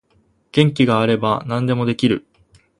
元気があれば何でもできる